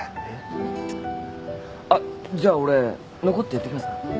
えっ？あっじゃあ俺残ってやってきますから。